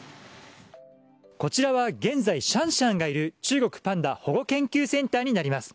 こちらは現在シャンシャンがいる中国パンダ保護研究センターになります。